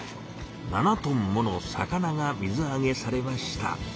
７トンもの魚が水あげされました。